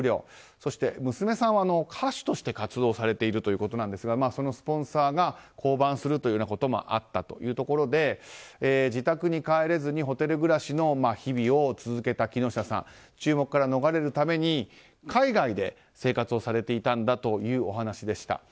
そして娘さんは歌手として活動されているということなんですがそのスポンサーが降板するということもあったというところで自宅に帰れずにホテル暮らしの日々を続けた木下さんは注目から逃れるために海外で生活をされていたという話でした。